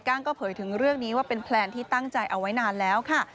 ้างก็เผยถึงเรื่องนี้ว่าเป็นแพลนที่ตั้งใจเอาไว้นานแล้วค่ะ